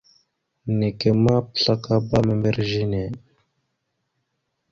Naka ma, pəslakala membirez a ne.